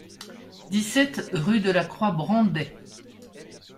dix-sept rue de la Croix Brandet